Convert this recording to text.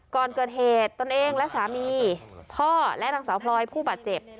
ก่อนเกิดเหตุตนเองและสามีพ่อและนางสาวพลอยผู้บาดเจ็บ